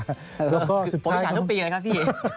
ผมอิจฉาทุกปีเลยครับพี่